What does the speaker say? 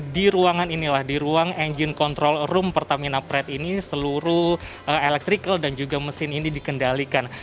di ruangan ini lah di ruang engine control room pertamina prat ini seluruh elektrik dan juga mesin ini dikendalikan